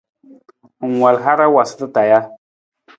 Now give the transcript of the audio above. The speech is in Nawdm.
Ng wal hara waasata taa ja?